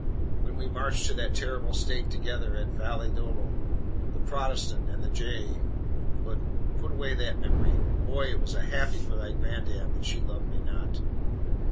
when we marched to the terrible stake together at Valladolid the Protestant and the J But away with memory! Boy! it was happy for thy grandam that she loved me not.